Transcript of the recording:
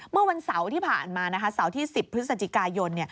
เมื่อวันเสาร์ที่ผ่านมาเสาร์ที่๑๐พฤศจิกายน